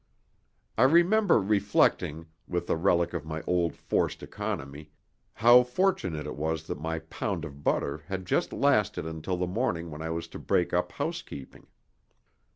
I remember reflecting, with a relic of my old forced economy, how fortunate it was that my pound of butter had just lasted until the morning when I was to break up housekeeping.